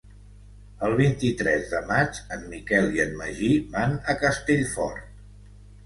El vint-i-tres de maig en Miquel i en Magí van a Castellfort.